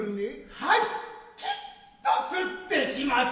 はいきっと釣ってきます。